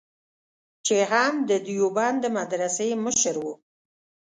چې هم د دیوبند د مدرسې مشر و.